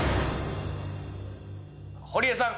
堀江さん